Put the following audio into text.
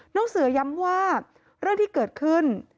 น้องเสือย้ำว่าเรื่องที่เกิดขึ้น